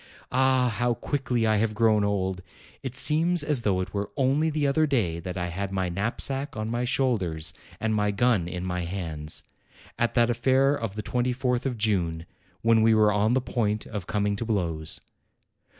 Ah, how quickly I have grown old! It seems as though it were only the other day that I had my knapsack on my shoulders and my gun in my hands, at that affair of the 24th of June, when we were on the point of coming to blows.